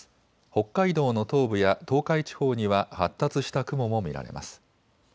北海道の東部や東海地方には発達した雲も見られます。